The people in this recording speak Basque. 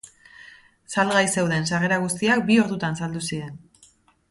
Salgai zeuden sarrera guztiak bi ordutan saldu ziren.